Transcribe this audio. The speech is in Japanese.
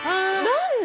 何だ！